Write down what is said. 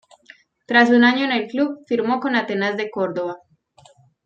Tras un año en el club, firmó con Atenas de Córdoba.